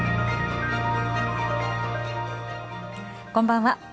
こんばんは。